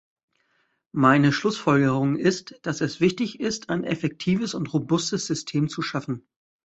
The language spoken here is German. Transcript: Meine Schlussfolgerung ist, dass es wichtig ist, ein effektives und robustes System zu schaffen.